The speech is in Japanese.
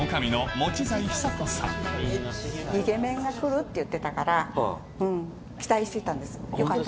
イケメンが来るって言ってたから、期待してたんです、よかった。